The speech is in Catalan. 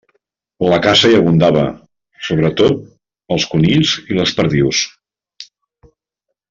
La caça hi abundava, sobretots els conills i les perdius.